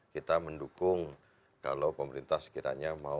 kita mendukung kalau pemerintah sekitar